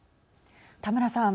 田村さん。